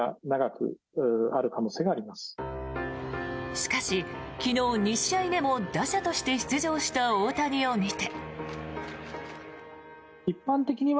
しかし、昨日２試合目も打者として出場した大谷を見て。